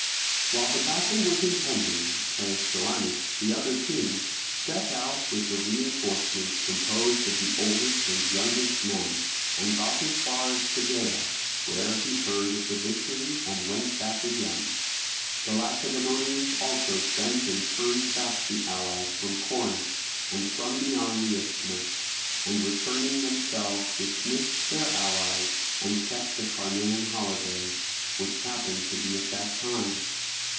While the battle was impending, Pleistoanax, the other king, set out with a reinforcement composed of the oldest and youngest men, and got as far as Tegea, where he heard of the victory and went back again. The Lacedaemonians also sent and turned back the allies from Corinth and from beyond the Isthmus, and returning themselves dismissed their allies, and kept the Carnean holidays, which happened to be at that time.